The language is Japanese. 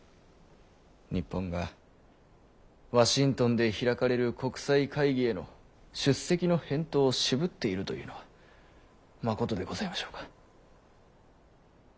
日本がワシントンで開かれる国際会議への出席の返答を渋っているというのはまことでございましょうか？